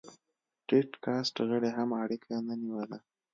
ټيټ کاست غړي هم اړیکه نه نیوله.